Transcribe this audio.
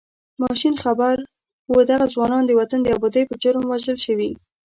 ماشین خبر و دغه ځوانان د وطن د ابادۍ په جرم وژل شوي.